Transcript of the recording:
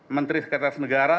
menteri sekretaris negara